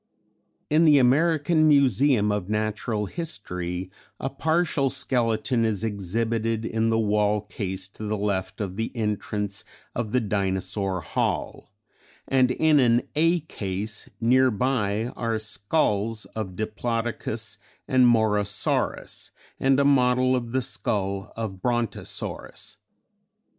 In the American Museum of Natural History, a partial skeleton is exhibited in the wall case to the left of the entrance of the Dinosaur Hall, and in an A case near by are skulls of Diplodocus and Morosaurus and a model of the skull of Brontosaurus.